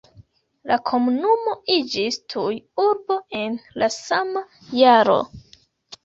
La komunumo iĝis tuj urbo en la sama jaro.